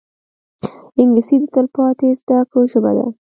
انګلیسي د تلپاتې زده کړو ژبه ده